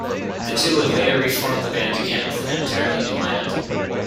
The two would later reform the band again with an entirely new line-up.